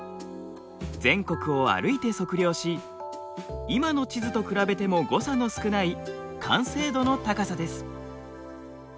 全国を歩いて測量し今の地図と比べても誤差の少ない完成度の高さです。